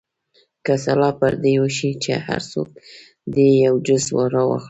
که سلا پر دې وشي چې هر څوک دې یو جز راواخلي.